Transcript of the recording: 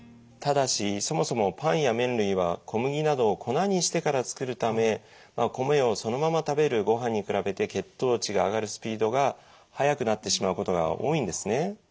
ただしそもそもパンやめん類は小麦などを粉にしてから作るため米をそのまま食べるご飯に比べて血糖値が上がるスピードが速くなってしまうことが多いんですね。